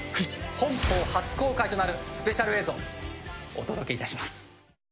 本邦初公開となるスペシャル映像をお届け致します。